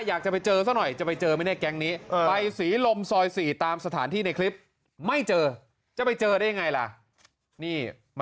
อยากจะไปเจอซะหน่อยจะไปเจอไหมเนี่ยแก๊งนี้